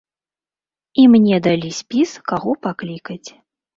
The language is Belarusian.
І мне далі спіс каго паклікаць.